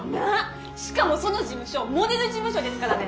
しかもその事務所モデル事務所ですからね。